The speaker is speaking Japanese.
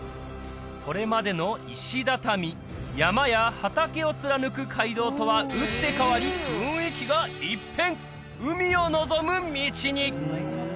これまでの石畳山や畑を貫く街道とは打って変わり雰囲気が一変！